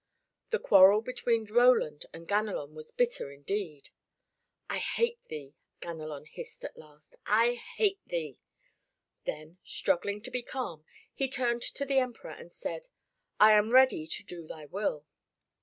The quarrel between Roland and Ganelon was bitter indeed. "I hate thee," Ganelon hissed at last. "I hate thee!" Then, struggling to be calm, he turned to the Emperor and said, "I am ready to do thy will."